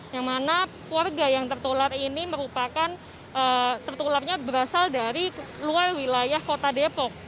yang mana warga yang tertular ini merupakan tertularnya berasal dari luar wilayah kota depok